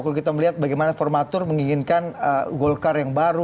kalau kita melihat bagaimana formatur menginginkan golkar yang baru